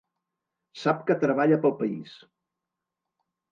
Sap que treballa pel país.